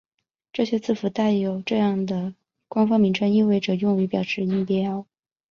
这些字符带有这样的官方名称意味着用于表示音标。